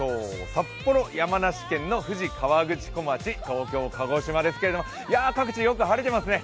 札幌、山梨県の富士河口湖町、東京、鹿児島ですけど各地、よく晴れてますね。